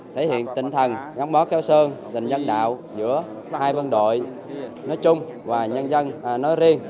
thể hiện tinh thần ngắm bó kéo sơn dành nhân đạo giữa hai vân đội nói chung và nhân dân nói riêng